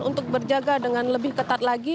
untuk berjaga dengan lebih ketat lagi